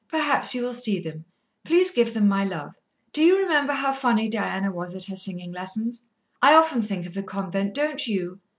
Perhaps you will see them. Please give them my love. Do you remember how funny Diana was at her singing lessons? I often think of the convent, don't you?